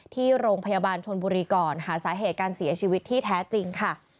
ที่โรงพยาบาลชนบุรีก่อนหาสาเหตุการเสียชีวิตที่แท้จริงค่ะ